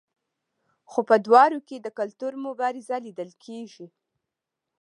خو په دواړو کې د کلتور مبارزه لیدل کیږي.